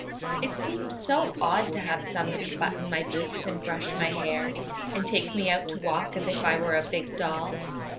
"It seems so odd to have somebody button my boots and brush my hair, and take me out to walk as if I were a big doll.